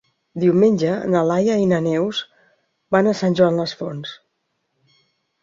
Diumenge na Laia i na Neus van a Sant Joan les Fonts.